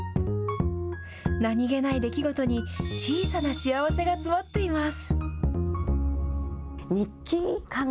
何気ない出来事に小さな幸せが詰まっています。